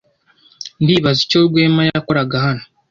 Ndibaza icyo Rwema yakoraga hano.